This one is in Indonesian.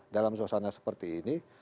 dalam suasana seperti ini